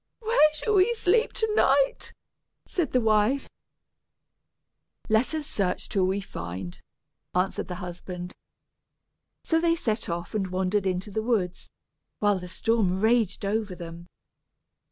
"Where shall we sleep to night?" said the wife. "Let us search till we find," answered the husband. So they set off and wandered into the woods, while the storm raged over them.